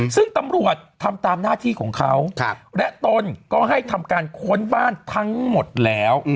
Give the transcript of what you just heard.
ซึ่งตำรวจทำตามหน้าที่ของเขาและตนก็ให้ทำการค้นบ้านทั้งหมดแล้ว